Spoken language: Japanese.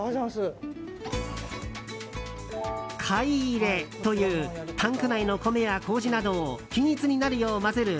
櫂入れというタンク内の米や麹などを均一になるよう混ぜる